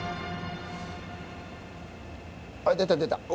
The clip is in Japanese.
あ出た出た。